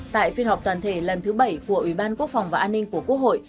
tại phiên họp toàn thể lần thứ bảy của ủy ban quốc phòng và an ninh của quốc hội